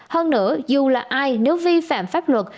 hơn nữa dù là ai nếu vi phạm pháp luật